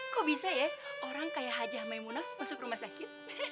kok bisa ya orang kayak hajah maimunah masuk rumah sakit